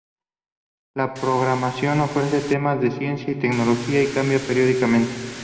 La programación ofrece temas de ciencia y tecnología y cambia periódicamente.